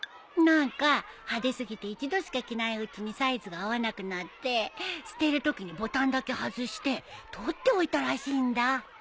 何か派手過ぎて一度しか着ないうちにサイズが合わなくなって捨てるときにボタンだけ外して取っておいたらしいんだ。